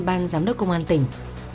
ban giám đốc công an tỉnh